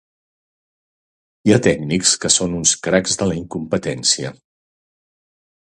Hi ha tècnics que són uns cracs de la incompetència